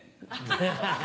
ハハハ。